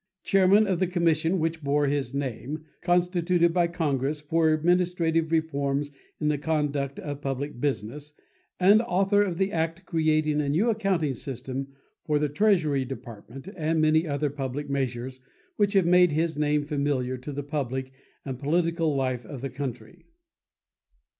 Chairman of the commission which bore his name, constituted by Congress for administrative reforms in the conduct of public business, and author of the act creating a new accounting system for the Treasury Department and many other public measures which have made his name familiar to the public and political life of the country.